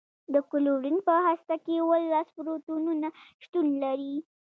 د کلورین په هسته کې اوولس پروتونونه شتون لري.